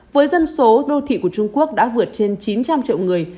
với dân số đô thị của trung quốc đã vượt trên chín trăm linh triệu người